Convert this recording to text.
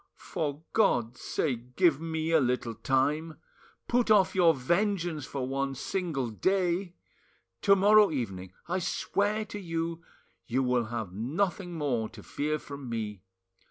For God's sake, give me a little time; put off your vengeance for one single day! To morrow evening, I swear to you, you will have nothing more to fear from me.